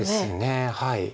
はい。